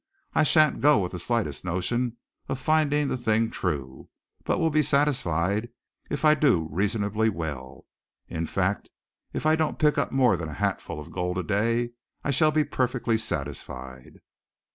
I shan't go with the slightest notion of finding the thing true, but will be satisfied if I do reasonably well. In fact, if I don't pick up more than a hatful of gold a day, I shall be perfectly satisfied."